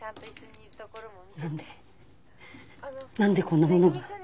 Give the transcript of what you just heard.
なんでなんでこんなものが？